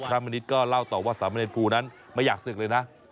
มณิษฐ์ก็เล่าต่อว่าสามเณรภูนั้นไม่อยากศึกเลยนะ